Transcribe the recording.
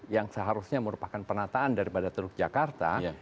yang seharusnya merupakan penataan daripada teluk jakarta